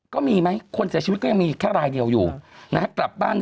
กำลังเด้งขึ้น